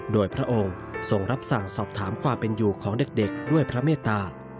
โดยพระองค์ทรงรับสั่งสอบถามความเป็นอยู่ของเด็กด้วยพระเมตตา